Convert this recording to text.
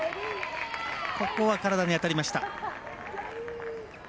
ここは体に当たりました。